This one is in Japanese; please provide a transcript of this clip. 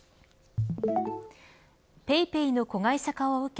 ＰａｙＰａｙの子会社化を受け